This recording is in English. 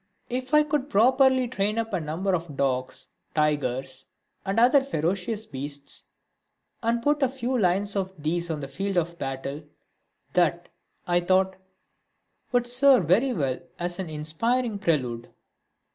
If I could properly train up a number of dogs, tigers and other ferocious beasts, and put a few lines of these on the field of battle, that, I thought, would serve very well as an inspiriting prelude.